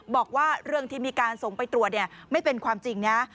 บอกว่าเรื่องที่มีการส่งไปตรวจไม่เป็นความจริงนะ